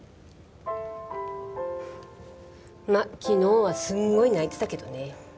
まあ昨日はすんごい泣いてたけどね。